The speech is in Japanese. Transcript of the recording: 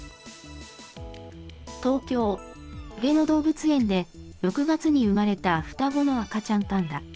東京・上野動物園で６月に産まれた双子の赤ちゃんパンダ。